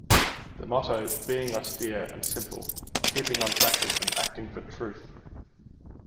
The motto Being austere and simple, keeping on practice and acting for truth.